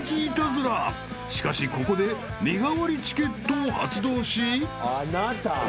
［しかしここで身代わりチケットを発動し］